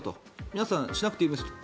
皆さん、しなくていいですと。